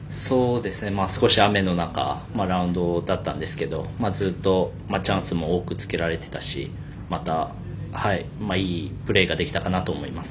少し雨の中ラウンドだったんですけどずっとチャンスも多くつけられていたしまた、いいプレーができたかなと思います。